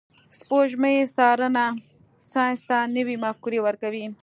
د سپوږمۍ څارنه ساینس ته نوي مفکورې ورکوي.